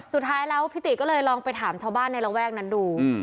สุดท้ายแล้วพี่ติก็เลยลองไปถามชาวบ้านในระแวกนั้นดู